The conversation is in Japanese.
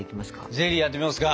ゼリーやってみますか。